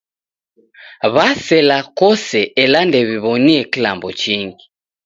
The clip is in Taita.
W'asela kose ela ndew'iw'onie klambo chingi.